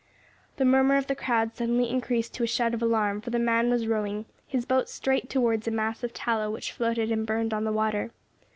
The murmur of the crowd suddenly increased to a shout of alarm, for the man was rowing, his boat straight towards a mass of tallow which floated and burned on the water.